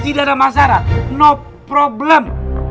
jadi tidak ada masalah no problem